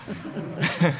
ハハハハ！